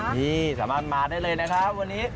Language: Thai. นี่สามารถมาได้เลยนะครับวันนี้